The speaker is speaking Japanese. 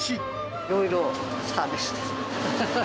いろいろサービスです。